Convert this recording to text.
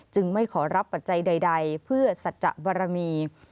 ไม่ขอรับปัจจัยใดเพื่อสัจจะบารมี